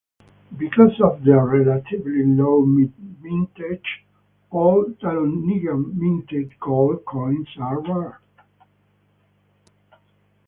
Because of their relatively low mintage, all Dahlonega-minted gold coins are rare.